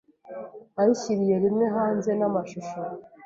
ayishyiriye rimwe hanze n’amashusho...